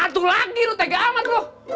atuh lagi lu tega amat lu